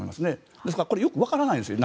ですからこれ、よくわからないんですよ。